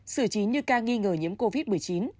xử trí như ca nghi ngờ nhiễm covid một mươi chín